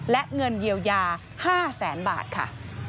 และเงินเยียวยา๕แสนบาทค่ะ